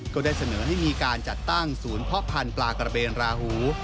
ก็ได้เสนอให้มีการจัดตั้งศูนย์เพาะพันธุ์ปลากระเบนราหู